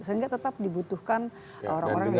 sehingga tetap dibutuhkan orang orang yang